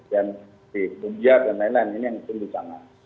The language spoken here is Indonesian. dan di punjab dan lain lain ini yang tumbuh sama